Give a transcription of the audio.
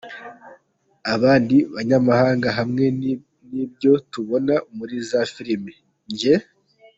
abandi banyamahanga hamwe n’ibyo tubona muri za filimi, njye